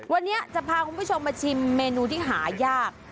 วันนี้จะพาคุณผู้ชมมาชิมเมนูที่หายาก